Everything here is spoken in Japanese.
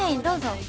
どうぞ。